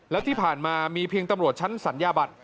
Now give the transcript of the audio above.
แล้วที่ผ่านมามีเพียงตำรวจชั้นสัญญาบัตร